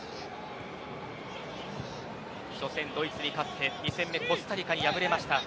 初戦ドイツに勝って２戦目コスタリカに敗れました。